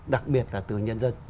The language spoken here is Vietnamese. đặc biệt là từ nhân dân